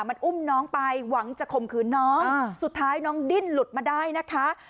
มันอุ้มน้องไปหวังจะข่มขืนน้องสุดท้ายน้องดิ้นหลุดมาได้นะคะ